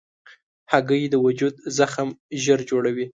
هګۍ د وجود زخم ژر جوړوي.